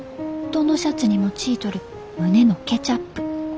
どのシャツにもちいとる胸のケチャップ。